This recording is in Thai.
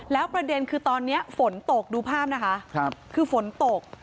แล้วประเด็นคือตอนนี้ฝนตกดูภาพนะคะคือฝนตก